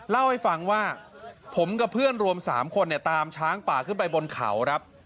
เล่าให้ฟังว่าผมกับเพื่อนรวม๓คนเนี่ยตามช้างป่าขึ้นไปบนเขาครับ